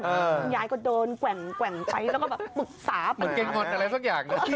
คุณยายก็โดนแกว่งปรึกษา